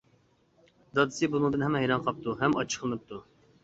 دادىسى بۇنىڭدىن ھەم ھەيران قاپتۇ ھەم ئاچچىقلىنىپتۇ.